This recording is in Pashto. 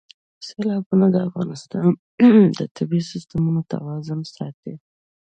سیلابونه د افغانستان د طبعي سیسټم توازن ساتي.